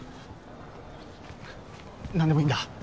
何でもいいんだ！